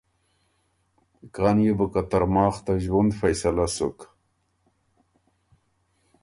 کان يې بو که ترماخ ته ݫوُند فیصلۀ سُک“